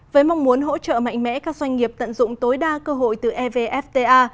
với mong muốn hỗ trợ mạnh mẽ các doanh nghiệp tận dụng tối đa cơ hội từ evfta